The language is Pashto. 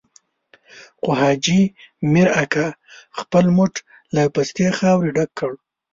خو حاجي مير اکا خپل موټ له پستې خاورې ډک کړ.